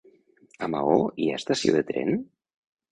A Maó hi ha estació de tren?